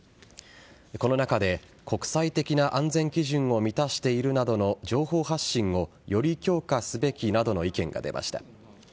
この中で、国際的な安全基準を満たしているなどの情報発信をより強化すべきなどの意見が出ました。